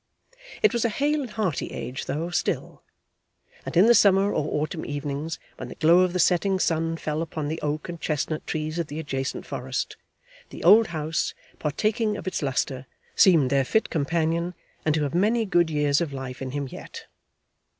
It was a hale and hearty age though, still: and in the summer or autumn evenings, when the glow of the setting sun fell upon the oak and chestnut trees of the adjacent forest, the old house, partaking of its lustre, seemed their fit companion, and to have many good years of life in him yet.